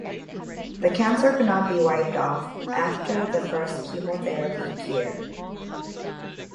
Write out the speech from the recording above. The cancer could not be wiped off after the first chemotherapy cure.